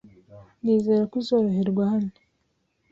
Nizere ko uzoroherwa hano.